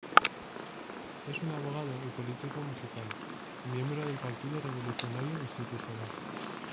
Es un abogado y político mexicano, miembro del Partido Revolucionario Institucional.